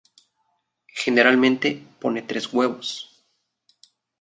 Generalmente pone tres huevos.